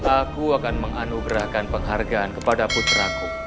aku akan menganugerahkan penghargaan kepada putraku